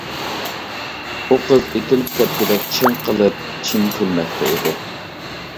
ئۇ قىز ئېتىلىپ كەتكۈدەك چىڭقىلىپ، چىڭ كۈلمەكتە ئىدى.